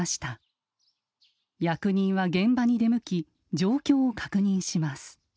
役人は現場に出向き状況を確認します。